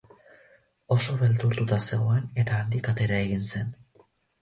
Oso beldurtuta zegoen eta handik atera egin zen.